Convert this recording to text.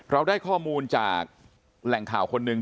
เราได้ข้อมูลจากแหล่งข่าวคนหนึ่ง